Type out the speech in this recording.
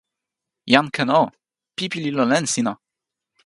jan Ken o, pipi li lon len sina.